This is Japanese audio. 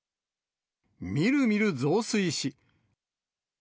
みるみる増水し。